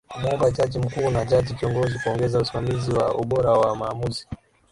Kumuomba Jaji Mkuu na Jaji Kiongozi kuongeza usimamizi wa ubora wa maamuzi